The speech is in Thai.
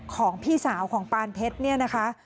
ของพี่สาวของปานเพชรเนี่ยนะคะ